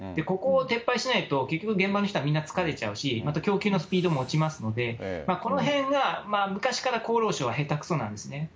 ここを撤廃しないと、結局現場の人がみんな疲れちゃうし、また供給のスピードも落ちますので、このへんが昔から厚労省は下手くそなんですね。